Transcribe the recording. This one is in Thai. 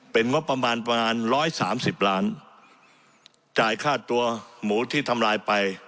เป็นงบประมาณประมาณร้อยสามสิบล้านจ่ายค่าตัวหมูที่ทำลายไป